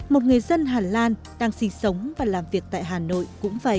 một người dân hà lan đang sinh sống và làm việc tại hà nội cũng vậy